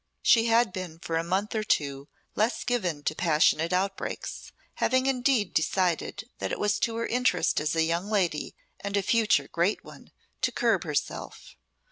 She had been for a month or two less given to passionate outbreaks, having indeed decided that it was to her interest as a young lady and a future great one to curb herself.